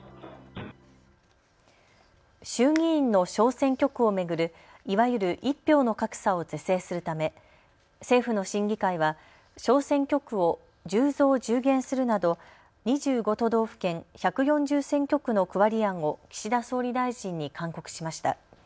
衆議院の小選挙区を巡るいわゆる１票の格差を是正するため政府の審議会は小選挙区を１０増１０減するなど２５都道府県１４０選挙区の区割り案を岸田総理大臣に勧告しました。